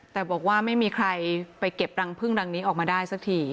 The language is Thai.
แต่บอกว่าไม่มีใครไปเก็บรังพึ่งรังนี้ออกมาได้สักที